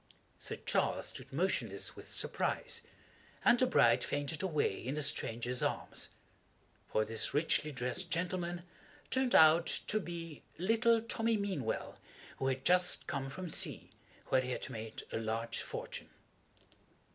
Sir Charles stood motionless with surprise, and the bride fainted away in the stranger's arms. For this richly dressed gentleman turned out to be little Tommy Meanwell, who had just come from sea, where he had made a large fortune.